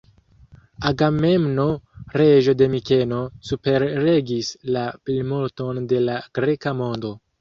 Agamemno, reĝo de Mikeno, superregis la plimulton de la greka mondo.